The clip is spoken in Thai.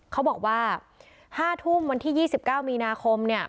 เขาบอกว่า๕ทุ่มวันที่๒๙มีนาคมเนี่ย